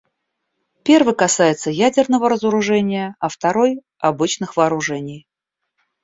Первый касается ядерного разоружения, а второй — обычных вооружений.